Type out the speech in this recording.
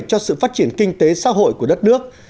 cho sự phát triển kinh tế xã hội của đất nước